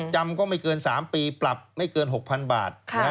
จำก็ไม่เกิน๓ปีปรับไม่เกิน๖๐๐๐บาท